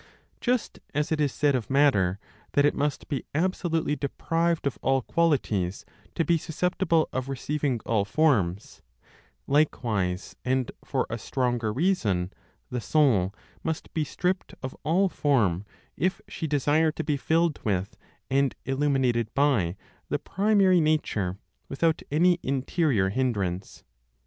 Just as it is said of matter that it must be absolutely deprived of all qualities to be susceptible of receiving all forms; likewise, and for a stronger reason, the soul must be stripped of all form, if she desire to be filled with and illuminated by the primary nature without any interior hindrance.